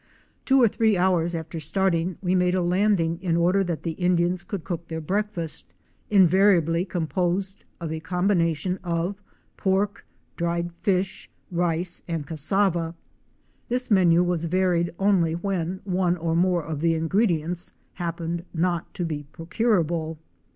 Two or three hours after starting, we made a landing in order that the Indians could cook their breakfast, invariably composed of a combination of pork, dried fish, rice and cassava. This menu was varied only when one or more of the ingredients happened not to be procurable.